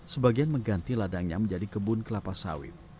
sebagian mengganti ladangnya menjadi kebun kelapa sawit